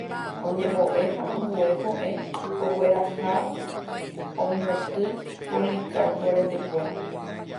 Oñembo'e ha ambue ko'ẽ ogueraha oñotỹ Policarpo retekue.